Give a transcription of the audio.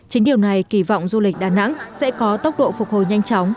hôm nay kỳ vọng du lịch đà nẵng sẽ có tốc độ phục hồi nhanh chóng